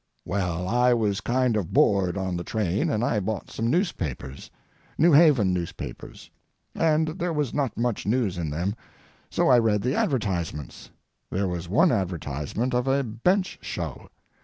Well, I was kind of bored on the train, and I bought some newspapers—New Haven newspapers—and there was not much news in them, so I read the advertisements. There was one advertisement of a bench show.